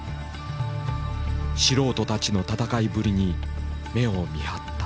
素人たちの闘いぶりに目をみはった。